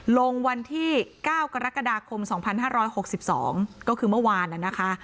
ลงวันที่๙กรกฎาคม๒๕๖๒ก็คือเมื่อวานนะคะ